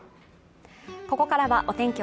ここからはお天気